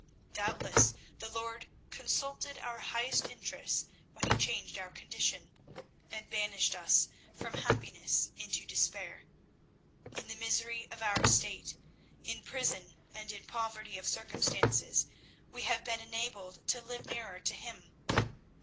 Doubtless the Lord consulted our highest interests when He changed our condition, and banished us from happiness into despair. In the misery of our state, in prison and in poverty of circumstances, we have been enabled to live nearer to Him.